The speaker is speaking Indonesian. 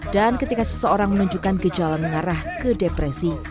dan ketika seseorang menunjukkan gejala mengarah ke depresi